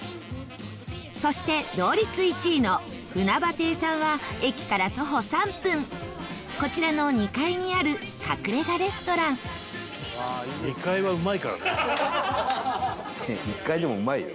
そして同率１位のふなば亭さんは駅から徒歩３分こちらの２階にある隠れ家レストラン１階でも、うまいよ。